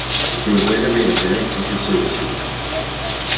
He was later made a baron for his services.